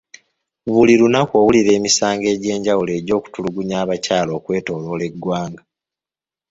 Buli lunaku owulira emisango egy'enjawulo egy'okutulugunya abakyala okwetooloola eggwanga.